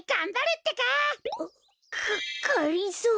あががりぞー。